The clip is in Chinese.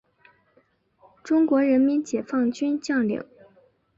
中国人民解放军将领。